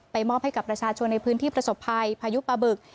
มอบให้กับประชาชนในพื้นที่ประสบภัยพายุปลาบึก